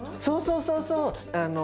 そうそうそうそう。